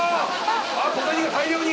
あっ小銭が大量に！